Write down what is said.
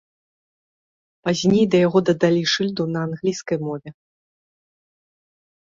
Пазней да яго дадалі шыльду на англійскай мове.